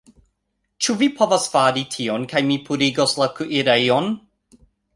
Ĉu vi povas fari tion kaj mi purigos la kuirejon